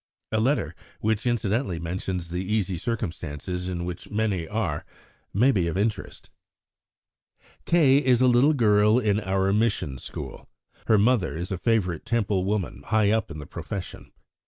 A letter, which incidentally mentions the easy circumstances in which many are, may be of interest: "K. is a little girl in our mission school. Her mother is a favourite Temple woman high up in the profession.